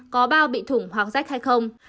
có bao bị thủng hoặc rách hay không